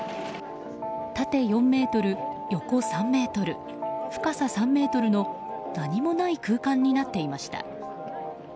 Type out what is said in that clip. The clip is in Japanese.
縦４ｍ、横３ｍ、深さ３ｍの何もない空間になっていました。